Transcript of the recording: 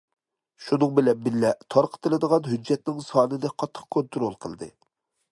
شۇنىڭ بىلەن بىللە، تارقىتىلىدىغان ھۆججەتنىڭ سانىنى قاتتىق كونترول قىلدى.